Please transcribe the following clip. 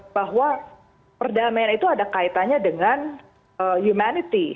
bahwa perdamaian itu ada kaitannya dengan humanity